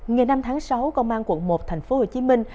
ngày năm tháng sáu công an quận một thành phố hồ chí minh